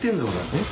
えっ？